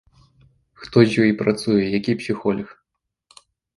Хто з ёй працуе, які псіхолаг?